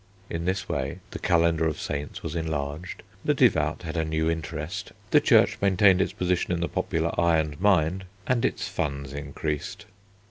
In this way the calendar of saints was enlarged, the devout had a new interest, the Church maintained its position in the popular eye and mind, and its funds increased.